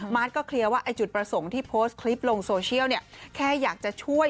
มาร์ทก็เคลียร์ว่าจุดประสงค์ที่พอสด์คลิปลงโซเชียลแค่อยากจะช่วย